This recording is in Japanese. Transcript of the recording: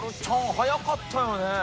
早かったよね。